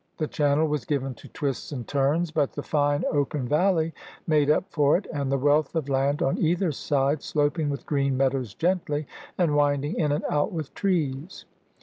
The channel was given to twists and turns, but the fine open valley made up for it, and the wealth of land on either side, sloping with green meadows gently, and winding in and out with trees.